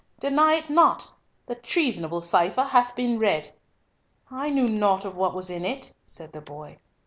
Deny it not. The treasonable cipher hath been read!" "I knew nought of what was in it," said the boy.